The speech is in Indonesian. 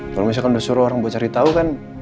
kalau misalkan udah suruh orang buat cari tahu kan